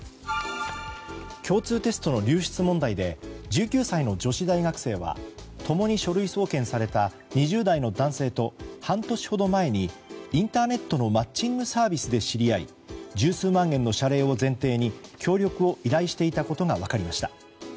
共通テストの流出問題で１９歳の女子大学生は共に書類送検された２０代の男性と半年ほど前にインターネットのマッチングサービスで知り合い十数万円の謝礼を前提に協力を依頼していたことが分かりました。